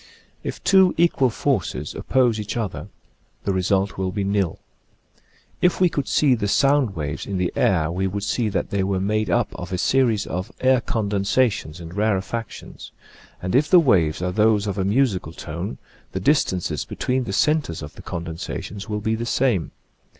If two equal forces oppose each other the result will be nil. If we could see the sound waves in the air we would see that they were made up of a series of air condensations and rarefactions, and if the waves are those of a musical tone the distances between the centres of the con densations will be the same.